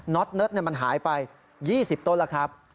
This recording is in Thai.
น็อตเนิดมันหายไป๒๐ต้นล่ะครับ